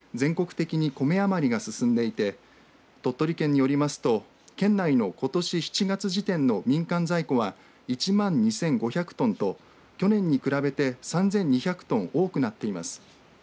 新型コロナによる外食需要の落ち込みで全国的にコメ余りが進んでいて鳥取県によりますと県内のことしの７月時点の民間在庫は、１万２５００トンと去年に比べて３２００トン多くなっています。